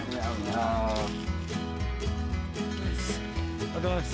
ありがとうございます。